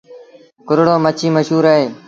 ڪورڙو مڇيٚ مشهور اهي۔